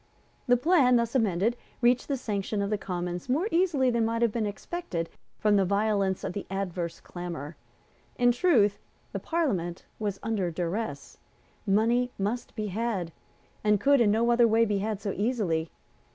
The plan, thus amended, received the sanction of the Commons more easily than might have been expected from the violence of the adverse clamour. In truth, the Parliament was under duress. Money must be had, and could in no other way be had so easily.